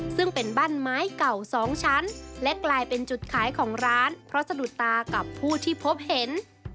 ซึ่งเป็นบ้านไม้เก่าสองชั้นและกลายเป็นจุดขายของร้านเพราะสะดุดตากับผู้ที่พบเห็น